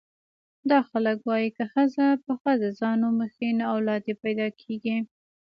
دا خلک وايي که ښځه په ښځه ځان وموښي نو اولاد یې پیدا کېږي.